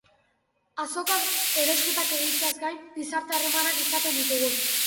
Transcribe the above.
Azokan, erosketak egiteaz gain, gizarte harremanak izaten ditugu.